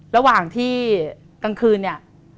ระหว่างที่กลางคืนเนี่ย